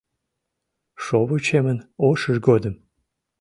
Шовычемын ошыж годым